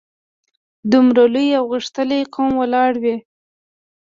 دومره لوی او غښتلی قوم ولاړ وي.